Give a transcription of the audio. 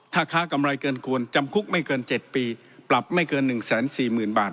ถ้าค้ากำไรเกินควรจำคุกไม่เกินเจ็ดปีปรับไม่เกินหนึ่งแสนสี่หมื่นบาท